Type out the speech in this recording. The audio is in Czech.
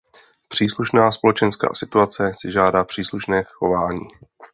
Příslušná společenská situace si žádá příslušné chování.